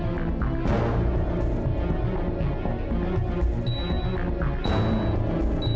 ini semua untuk tuhan paling baik